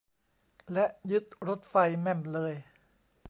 และยึดรถไฟแม่มเลย